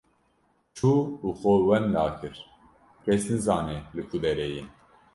Çû û xwe wenda kir, kes nizane li ku derê ye.